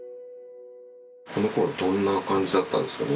このころどんな感じだったんですか？